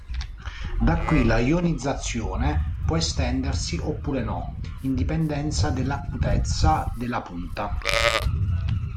Da qui la ionizzazione può estendersi oppure no, in dipendenza dell'acutezza della punta.